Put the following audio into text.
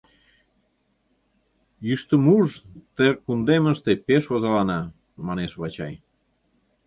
Йӱштымуж ты кундемыште пеш озалана, — манеш Вачай.